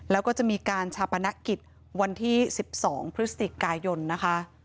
แล้วก็จะมีการชาปนกิจวันที่๑๒พฤศจิกายนนะคะ